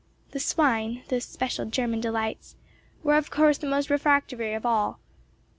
The swine, those special German delights, were of course the most refractory of all.